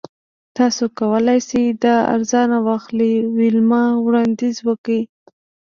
تاسو کولی شئ دا ارزانه واخلئ ویلما وړاندیز وکړ